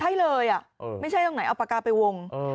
ใช่เลยไม่ใช่ตรงไหนเอาปากกาไปวง